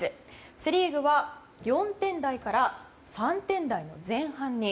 セ・リーグは４点台から３点台の前半に。